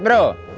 ya belum atuh bro